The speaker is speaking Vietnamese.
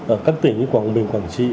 ở các tỉnh quảng bình quản trị